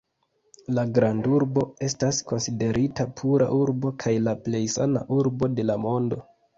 La grandurbo estas konsiderita pura urbo kaj la plej sana urbo de la mondo.